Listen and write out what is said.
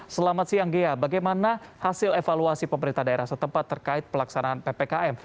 selamat siang ghea bagaimana hasil evaluasi pemerintah daerah setempat terkait pelaksanaan ppkm